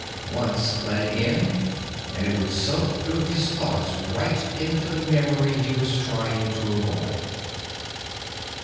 Once let it in and it would soak through his thoughts right into the memory he was trying to avoid.